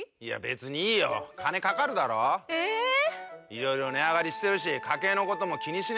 いろいろ値上がりしてるし家計のことも気にしねぇとな。